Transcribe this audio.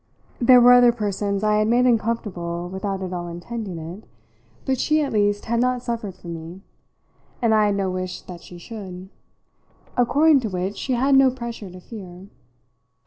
There were other persons I had made uncomfortable without at all intending it, but she at least had not suffered from me, and I had no wish that she should; according to which she had no pressure to fear.